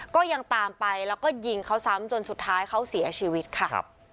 ก็ยังตามไปแล้วก็ยิงเขาซ้ำจนสุดท้ายเขาเสียชีวิตค่ะ